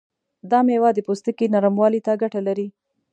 دا میوه د پوستکي نرموالي ته ګټه لري.